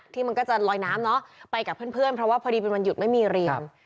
มันก็จะลอยน้ำเนาะไปกับเพื่อนเพราะว่าพอดีเป็นวันหยุดไม่มีเรียน